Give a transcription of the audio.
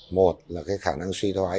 một là cái khả năng suy thoái